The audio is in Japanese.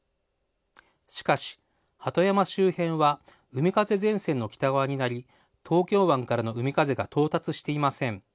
しかし、鳩山周辺は海風前線の北側になり東京湾からの海風が到達していません。